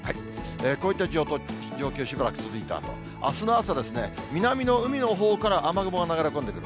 こういった状況、しばらく続いたあと、あすの朝ですね、南の海のほうから雨雲が流れ込んでくる。